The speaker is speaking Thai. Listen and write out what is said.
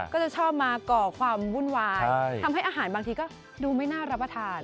ก็จะชอบมาก่อความวุ่นวายทำให้อาหารบางทีก็ดูไม่น่ารับประทาน